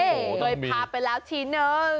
โอ้โฮต้องมีโดยพาไปแล้วชิ้น